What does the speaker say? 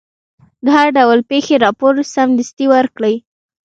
د هر ډول پېښې راپور سمدستي ورکړئ.